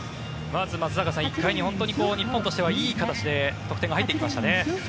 まず松坂さん１回に日本としてはいい形で得点が入っていきましたね。